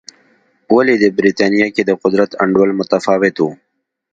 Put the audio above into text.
ولې د برېټانیا کې د قدرت انډول متفاوت و.